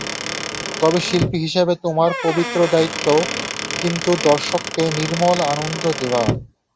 তবে শিল্পী হিসেবে তোমার পবিত্র দায়িত্ব কিন্তু দর্শককে নির্মল আনন্দ দেওয়া।